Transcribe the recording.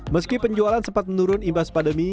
meski penjualan sempat menurun imbas pandemi